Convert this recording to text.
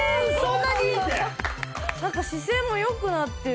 なんか姿勢も良くなってる。